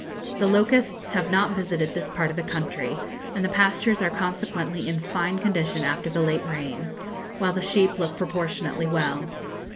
The locusts have not visited this part of the country, and the pastures are consequently in fine condition after the late rains, while the sheep look proportionately well.